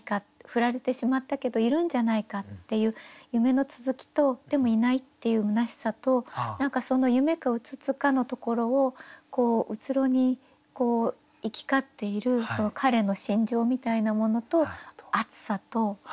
振られてしまったけどいるんじゃないかっていう夢の続きとでもいないっていうむなしさと何かその夢かうつつかのところをうつろに行き交っている彼の心情みたいなものと暑さと。